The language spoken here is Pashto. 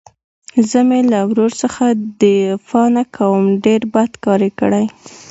زه مې له ورور څخه دفاع نه کوم ډېر بد کار يې کړى.